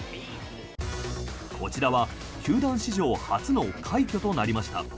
こちらは球団史上初の快挙となりました。